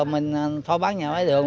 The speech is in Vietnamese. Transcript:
mình thôi bán nhà máy đường